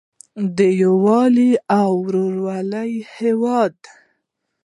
د یووالي او ورورولۍ هیواد.